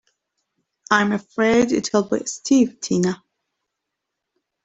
I'm afraid it'll be Steve Tina.